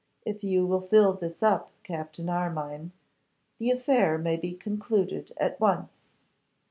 If you will fill this up, Captain Armine, the affair may be concluded at once.